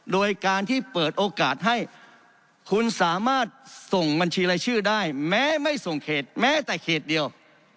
โดยการที่เปิดโอกาสให้คุณสามารถส่งบัญชีรายชื่อได้แม้ไม่ส่งเขตแม้แต่เขตเดียว